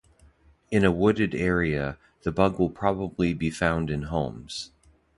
In a wooded area, the bug will probably be found in homes.